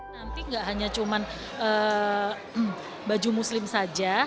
nanti gak hanya cuma baju muslim saja